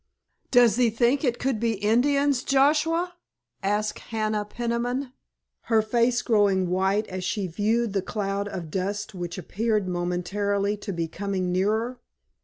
"Does thee think it could be Indians, Joshua?" asked Hannah Peniman, her face growing white as she viewed the cloud of dust which appeared momentarily to be coming nearer.